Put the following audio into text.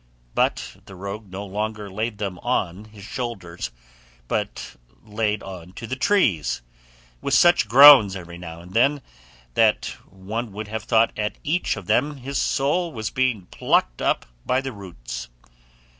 But the rogue no longer laid them on his shoulders, but laid on to the trees, with such groans every now and then, that one would have thought at each of them his soul was being plucked up by the roots.